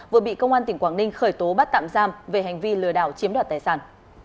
vừa bị công an tỉnh quảng ninh khởi tố bắt tạm giam về hành vi lừa đảo chiếm đoạt tài sản